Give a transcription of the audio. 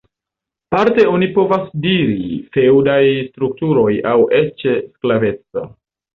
Parte oni povas diri feŭdaj strukturoj aŭ eĉ sklaveco.